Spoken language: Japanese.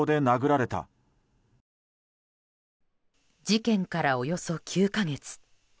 事件から、およそ９か月。